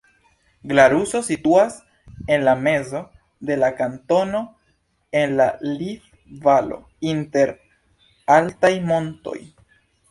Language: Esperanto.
Glaruso situas en la mezo de la kantono en la Linth-Valo inter altaj montoj.